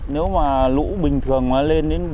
nếu mà lũ bình thường mà lên đến bờ